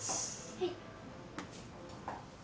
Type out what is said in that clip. はい。